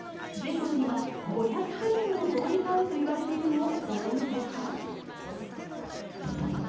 全国には５００種類もの雑煮があるといわれているのをご存じですか？